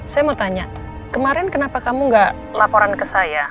saya mau tanya kemarin kenapa kamu gak laporan ke saya